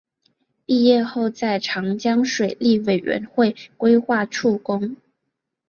毕业后在长江水利委员会规划处工。